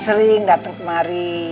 sering sering dateng kemari